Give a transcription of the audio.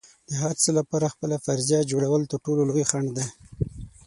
د هر څه لپاره خپله فرضیه جوړول تر ټولو لوی خنډ دی.